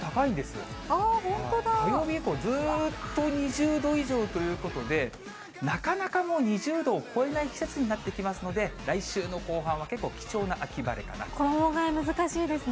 火曜日以降、ずっと２０度以上ということで、なかなかもう２０度を超えない季節になってきますので、来週の後半は結構貴重な秋晴れかなと思います。